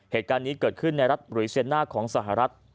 เหตุการณ์นี้เกิดขึ้นในภาษาสหรัฐ